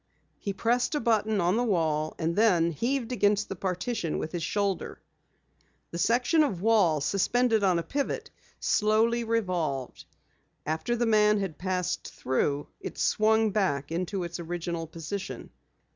He pressed a button on the wall and then heaved against the partition with his shoulder. The section of wall, suspended on a pivot, slowly revolved. After the man had passed through, it swung back into its original position.